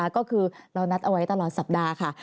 ก็คือเรานัดเอาไว้ตลอดสัปดาห์ค่ะ